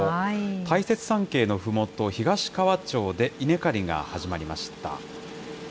大雪山系のふもと、東川町で稲刈りが始まりました。